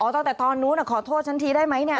ตั้งแต่ตอนนู้นขอโทษฉันทีได้ไหมเนี่ย